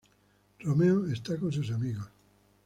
Romeo está con sus amigos.